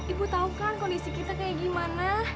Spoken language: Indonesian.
ibu tahu kang kondisi kita kayak gimana